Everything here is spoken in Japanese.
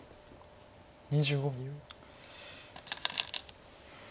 ２５秒。